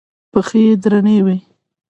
پښې يې درنې وې.